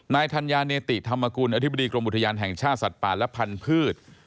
ธัญญาเนติธรรมกุลอธิบดีกรมอุทยานแห่งชาติสัตว์ป่าและพันธุ์